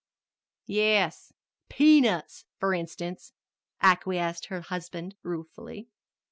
"Yes peanuts, for instance," acquiesced her husband ruefully.